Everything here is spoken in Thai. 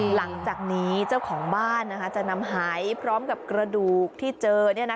หลังจากนี้เจ้าของบ้านจะนำหายพร้อมกับกระดูกที่เจอ